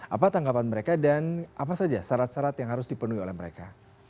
apa tanggapan mereka dan apa saja syarat syarat yang harus dipenuhi oleh mereka